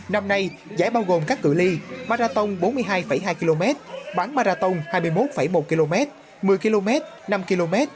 năm nay giải bao gồm các cử ly marathon bốn mươi hai hai km bán marathon hai mươi một một km một mươi km năm km